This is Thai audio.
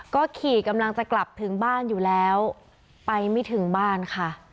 ก็ขี่กำลังจะกลับถึงบ้านอยู่แล้วไปไม่ถึงบ้านค่ะ